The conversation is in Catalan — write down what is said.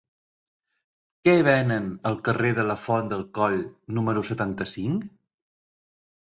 Què venen al carrer de la Font del Coll número setanta-cinc?